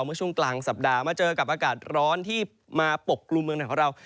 เมื่อช่วงกลางสัปดาห์มาเจอกับอากาศร้อนที่มาปกกลุ่มเมืองไทยของเรา